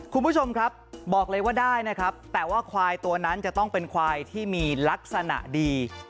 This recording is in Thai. คุณผู้ชมครับบอกเลยว่าได้นะครับแต่ว่าควายตัวนั้นจะต้องเป็นควายที่มีลักษณะดี